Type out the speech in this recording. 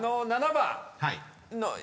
７番。